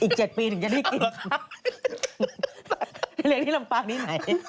อีก๗ปีถึงจะได้กินค่ะพี่เรียกที่ลำปากนี้ไหน